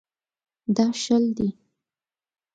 دا شل دي.